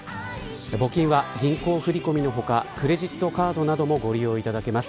募金は銀行振り込みの他クレジットカードなどもご利用いただけます。